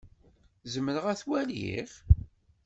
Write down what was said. Zemreɣ ad t-waliɣ?